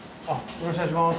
よろしくお願いします。